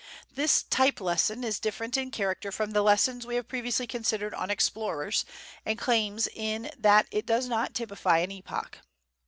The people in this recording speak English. This type lesson is different in character from the lessons we have previously considered on explorers and claims in that it does not typify an epoch.